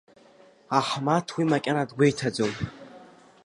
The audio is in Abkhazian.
Аҳмаҭ уи макьана дгәеиҭаӡом.